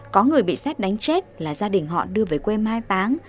có người bị xét đánh chết là gia đình họ đưa về quê mai táng